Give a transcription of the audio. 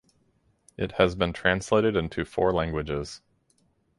It has been translated into four languages.